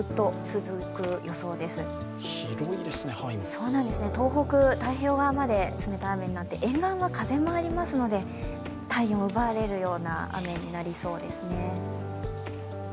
そうなんですね、東北、太平洋側まで冷たい雨になって沿岸は風もありますので体温を奪われるような雨になりそうですね。